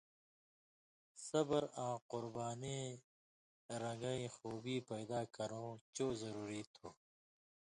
صبر آں قربانیں رن٘گَیں خُوبی پیدا کرؤں چو ضروۡری تُھو،